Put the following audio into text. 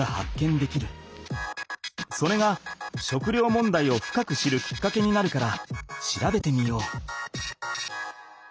それが食料もんだいを深く知るきっかけになるから調べてみよう。